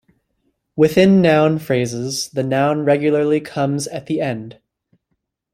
Within noun phrases, the noun regularly comes at the end.